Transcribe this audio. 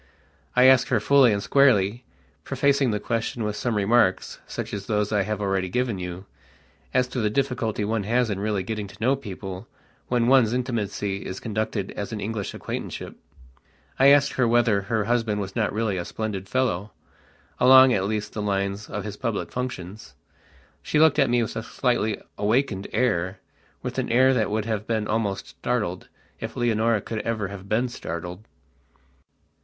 I asked her fully and squarelyprefacing the question with some remarks, such as those that I have already given you, as to the difficulty one has in really getting to know people when one's intimacy is conducted as an English acquaintanceshipI asked her whether her husband was not really a splendid fellowalong at least the lines of his public functions. She looked at me with a slightly awakened airwith an air that would have been almost startled if Leonora could ever have been startled.